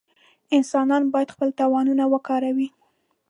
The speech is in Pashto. انسانان باید خپل توانونه وکاروي.